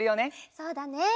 そうだね。